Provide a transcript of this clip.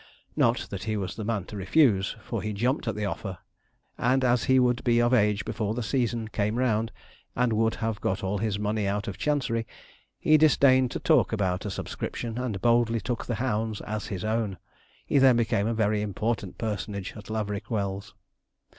Not that he was the man to refuse, for he jumped at the offer, and, as he would be of age before the season came round, and would have got all his money out of Chancery, he disdained to talk about a subscription, and boldly took the hounds as his own. He then became a very important personage at Laverick Wells.